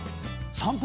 散歩！